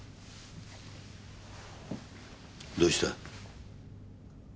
どうした？